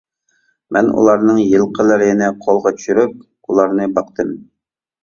مەن ئۇلارنىڭ يىلقىلىرىنى قولغا چۈشۈرۈپ ئۇلارنى باقتىم.